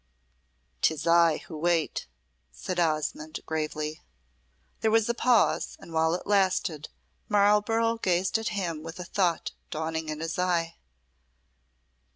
"'Tis I who wait," said Osmonde, gravely. There was a pause, and while it lasted, Marlborough gazed at him with a thought dawning in his eye.